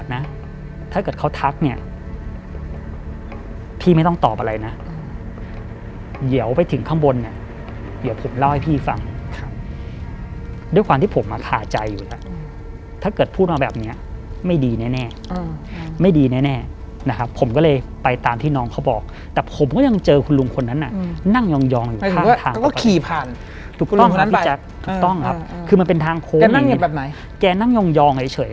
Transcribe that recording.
นะถ้าเกิดเขาทักเนี้ยพี่ไม่ต้องตอบอะไรนะอืมเดี๋ยวไปถึงข้างบนเนี้ยเดี๋ยวผมเล่าให้พี่ฟังครับด้วยความที่ผมอ่ะขาใจอยู่แล้วอืมถ้าเกิดพูดมาแบบเนี้ยไม่ดีแน่แน่อืมไม่ดีแน่แน่นะครับผมก็เลยไปตามที่น้องเขาบอกแต่ผมก็ยังเจอคุณลุงคนนั้นน่ะอืมนั่งยองยองอยู่ทางทางก็ก็ขี่ผ่านคุณลุงคนนั้นไปถูกต้